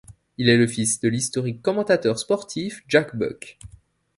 Il est le fils de l'historique commentateur sportif Jack Buck.